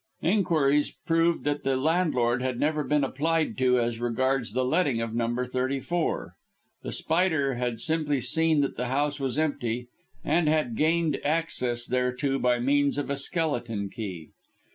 Inquiries proved that the landlord had never been applied to as regards the letting of Number 34. The Spider had simply seen that the house was empty and had gained access thereto by means of a skeleton key.